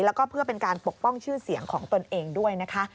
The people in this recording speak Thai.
แล้วก็เพื่อเป็นการปกป้องชื่อเสียงของตนเองด้วยนะคะ